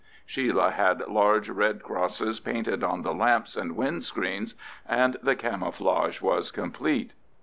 Sheila had large red crosses painted on the lamps and wind screen, and the camouflage was complete.